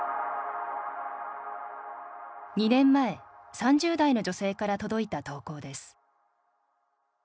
２年前３０代の女性から届いた投稿です。